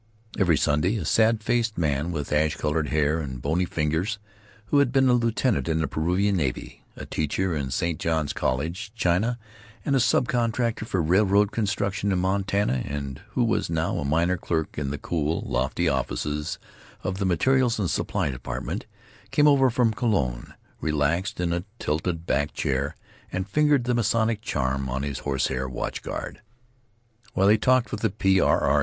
Every Sunday a sad faced man with ash colored hair and bony fingers, who had been a lieutenant in the Peruvian navy, a teacher in St. John's College, China, and a sub contractor for railroad construction in Montana, and who was now a minor clerk in the cool, lofty offices of the Materials and Supplies Department, came over from Colon, relaxed in a tilted back chair, and fingered the Masonic charm on his horsehair watch guard, while he talked with the P. R. R.